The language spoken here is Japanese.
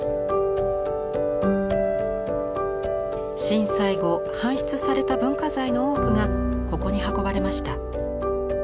震災後搬出された文化財の多くがここに運ばれました。